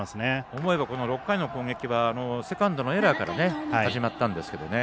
思えば６回の攻撃はセカンドのエラーから始まったんですがね。